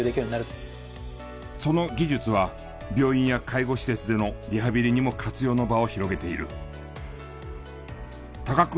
その技術は病院や介護施設でのリハビリにも活用の場を広げている。